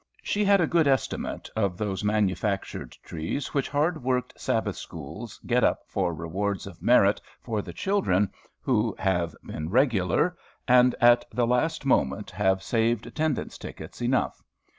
She had a due estimate of those manufactured trees which hard worked "Sabbath Schools" get up for rewards of merit for the children who have been regular, and at the last moment have saved attendance tickets enough.